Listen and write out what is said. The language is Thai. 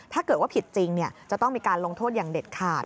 ถ้าเกิดว่าผิดจริงจะต้องมีการลงโทษอย่างเด็ดขาด